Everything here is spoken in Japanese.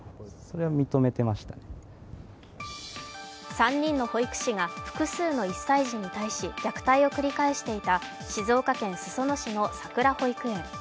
３人の保育士が複数の１歳児に対し虐待を繰り返していた静岡県裾野市のさくら保育園。